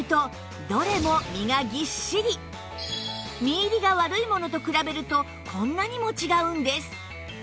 身入りが悪いものと比べるとこんなにも違うんです